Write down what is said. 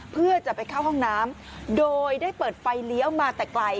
เพื่อจะไปเข้าห้องน้ำโดยได้เปิดไฟเลี้ยวมาแต่ไกล